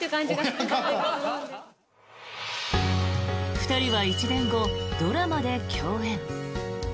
２人は１年後、ドラマで共演。